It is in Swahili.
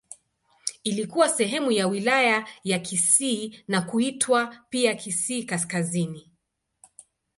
Ilikuwa sehemu ya Wilaya ya Kisii na kuitwa pia Kisii Kaskazini.